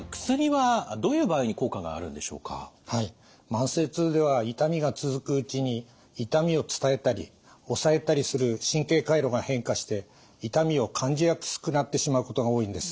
慢性痛では痛みが続くうちに痛みを伝えたり抑えたりする神経回路が変化して痛みを感じやすくなってしまうことが多いんです。